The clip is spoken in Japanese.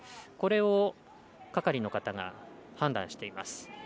これを係の方が判断しています。